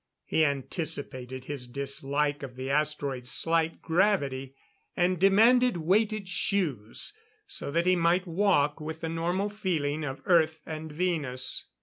He anticipated his dislike of the asteroid's slight gravity, and demanded weighted shoes so that he might walk with the normal feeling of Earth and Venus.